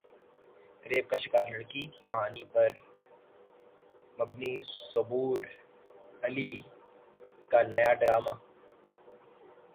rape کا شکار لڑکی کی کہانی پر مبنی صبور علی کا نیا ڈراما